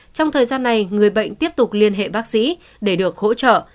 trong thời gian này người bệnh tiếp tục liên hệ bác sĩ để được hỗ trợ